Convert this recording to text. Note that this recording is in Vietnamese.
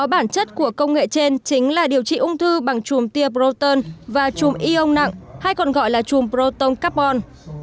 bản chất của công nghệ trên chính là điều trị ung thư bằng chùm tia proton và chùm ion nặng hay còn gọi là chùm proton carbon